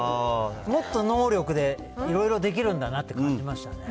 もっと能力でいろいろできるんだなって感じましたね。